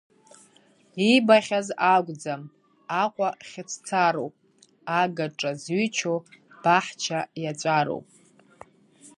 Иибахьаз акәӡам, Аҟәа хьыҵәцароуп, агаҿа зҩычо баҳча иаҵәароуп.